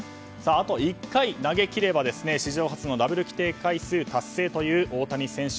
あと１回投げ切れば史上初のダブル規定回数達成という大谷選手。